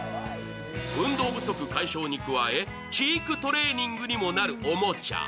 運動不足解消に加え、知育トレーニングにもなるおもちゃ。